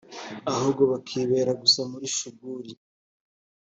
ahubwo bakibera gusa muli Shuguli